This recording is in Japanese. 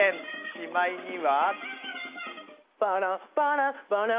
しまいには。